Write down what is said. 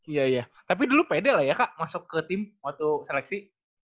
iya iya tapi dulu pede lah ya kak masuk ke tim waktu seleksi